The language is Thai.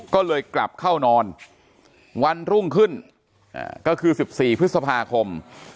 ก็เลยกลับเข้านอนวันรุ่งขึ้นก็คือ๑๔พฤษภาคม